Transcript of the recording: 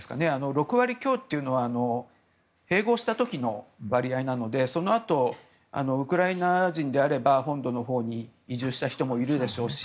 ６割強は併合した時の割合なのでそのあと、ウクライナ人であれば本土のほうに移住した人もいるでしょうし。